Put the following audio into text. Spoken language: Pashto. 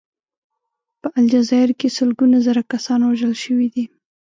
په الجزایر کې سلګونه زره کسان وژل شوي دي.